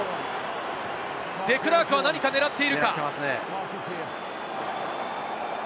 デクラークは何か狙っているか？